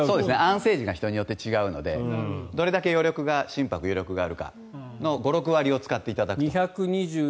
安静時が人によって違うのでどれだけ心拍余力があるかの５６割を使っていただくと。